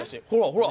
ほら！